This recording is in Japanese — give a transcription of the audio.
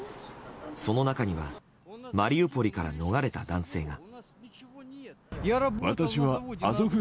その中にはマリウポリから逃れた男性が。